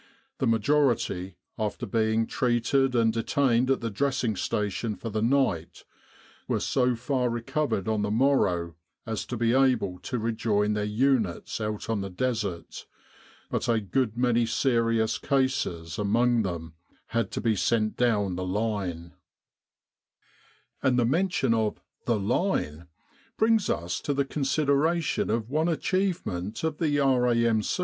The majority, after being treated and detained at the dressing station for the night, were so far re covered on the morrow as to be able to rejoin their units out on the Desert, but a good many serious cases among them had to be sent down the line.' 121 With the R.A.M.C. in Egypt And the mention of "the line" brings us to the consideration of one achievement of the R.A.M.